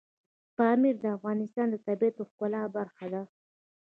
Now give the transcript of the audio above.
پامیر د افغانستان د طبیعت د ښکلا برخه ده.